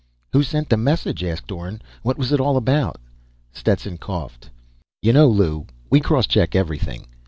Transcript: "Who sent the message?" asked Orne. "What was it all about?" Stetson coughed. "You know, Lew, we cross check everything.